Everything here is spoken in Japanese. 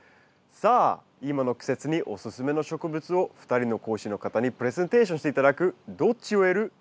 さあ今の季節にオススメの植物を２人の講師の方にプレゼンテーションして頂く「どっち植える？」